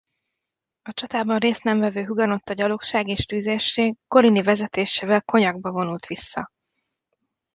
A csatában részt nem vevő hugenotta gyalogság és tüzérség Coligny vezetésével Cognacba vonult vissza.